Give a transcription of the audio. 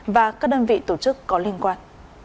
và các đơn vị tổ chức có liên quan